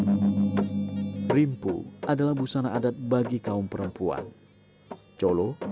tadi hari iniesselang kami rolex jele nama pesang bahan perintis hooroh